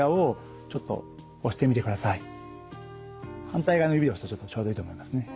反対側の指で押すとちょうどいいと思いますね。